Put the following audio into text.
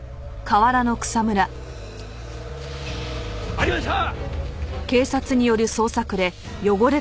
ありました！